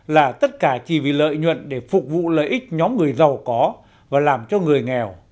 là tất cả chỉ vì lợi nhuận để phục vụ lợi ích nhóm người giàu có và làm cho người nghèo